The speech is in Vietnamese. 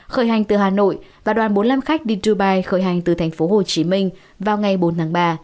khởi hành từ hà nội và đoàn bốn mươi năm khách đi dubai khởi hành từ thành phố hồ chí minh vào ngày bốn tháng ba